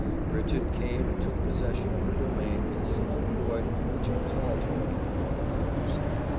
Bridget came and took possession of her domain with a sangfroid which appalled Holcroft from the first.